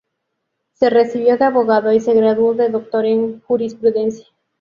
Se recibió de abogado y se graduó de doctor en Jurisprudencia.